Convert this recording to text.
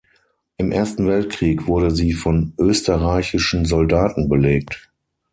Im Ersten Weltkrieg wurde sie von österreichischen Soldaten belegt.